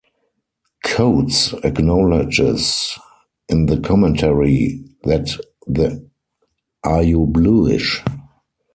Coates acknowledges in the commentary that the are you Bluish?